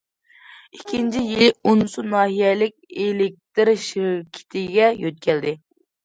ئىككىنچى يىلى ئونسۇ ناھىيەلىك ئېلېكتىر شىركىتىگە يۆتكەلدى.